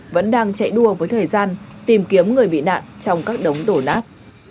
vẫn đang chạy đua với thời gian tìm kiếm người bị nạn trong các đống đổ nát